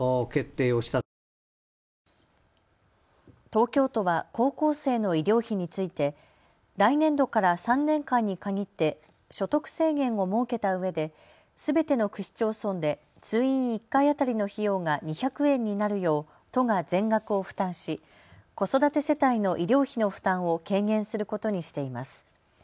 東京都は高校生の医療費について来年度から３年間に限って所得制限を設けたうえですべての区市町村で通院１回当たりの費用が２００円になるよう都が全額を負担し子育て世帯の医療費の負担を軽減することにしています。